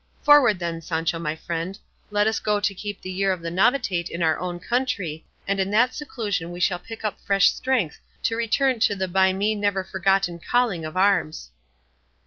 Forward then, Sancho my friend, let us go to keep the year of the novitiate in our own country, and in that seclusion we shall pick up fresh strength to return to the by me never forgotten calling of arms."